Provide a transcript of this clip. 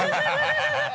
ハハハ